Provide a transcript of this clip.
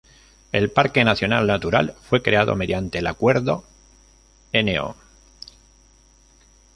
El Parque Nacional Natural fue creado mediante el acuerdo No.